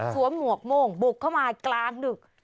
หมวกโม่งบุกเข้ามากลางดึก